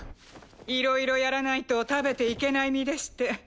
いろいろやらないと食べていけない身でして。